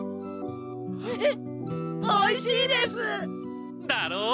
おいしいです！だろう！